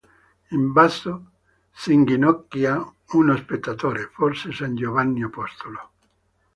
In basso si inginocchia uno spettatore, forse san Giovanni apostolo.